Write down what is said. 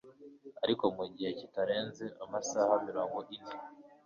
ariko mu gihe kitarenze amasaha mirongo ine